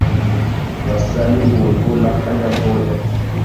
Basa ningungu na kanyabwoya